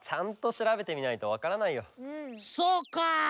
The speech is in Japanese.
そうか。